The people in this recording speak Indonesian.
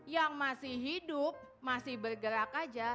yang masih hidup masih bergerak saja